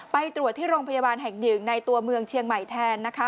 ไปตรวจที่โรงพยาบาลแห่งหนึ่งในตัวเมืองเชียงใหม่แทนนะคะ